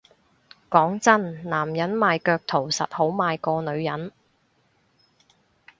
講真男人賣腳圖實好賣過女人